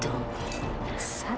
terima kasih sayang